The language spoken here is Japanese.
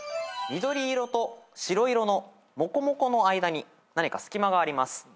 緑色と白色のもこもこの間に何か隙間があります。